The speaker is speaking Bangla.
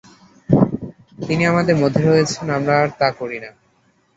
তিনি আমাদের মধ্যে রয়েছেন, আমরা আর তা করি না।